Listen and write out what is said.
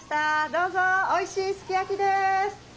どうぞおいしいすき焼きです。